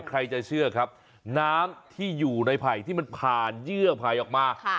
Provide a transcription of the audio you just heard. ใครจะเชื่อครับน้ำที่อยู่ในไผ่ที่มันผ่านเยื่อไผ่ออกมา